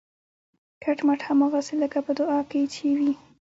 کټ مټ هماغسې لکه په دعا کې چې وي